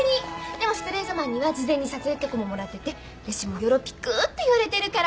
でもシュトレーゼマンには事前に撮影許可ももらってて「弟子もよろぴく」って言われてるから。